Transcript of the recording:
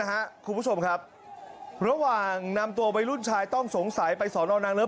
คุณผู้ชมครับระหว่างนำตัววัยรุ่นชายต้องสงสัยไปสอนอนางเลิ้ง